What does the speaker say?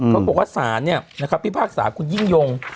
เขาบอกว่าศาลพิพากษาคุณยิ่งยง